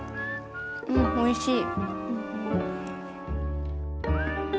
うんおいしい。